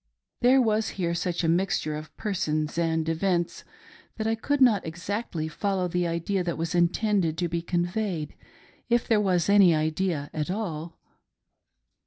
There was here such a mixture of persons and events that I could not exactly follow the idea that was intended to be conveyed, — if there was any idea at all.